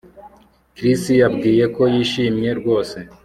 Chris yambwiye ko yishimye rwose